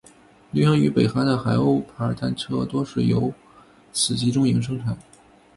流行于北韩的海鸥牌单车多是由此集中营生产。